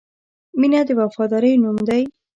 • مینه د وفادارۍ نوم دی.